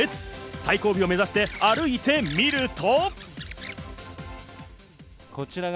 最後尾を目指して歩いてみると。